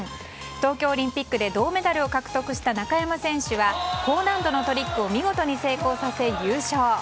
東京オリンピックで銅メダルを獲得した中山選手は高難度のトリックを見事に成功させ優勝。